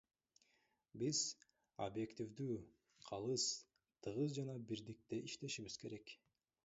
Биз объективдүү, калыс, тыгыз жана биримдикте иштешибиз керек.